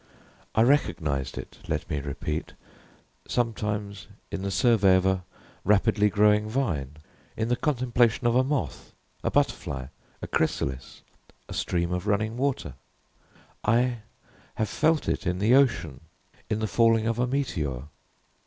I recognized it, let me repeat, sometimes in the survey of a rapidly growing vine in the contemplation of a moth, a butterfly, a chrysalis, a stream of running water. I have felt it in the ocean in the falling of a meteor.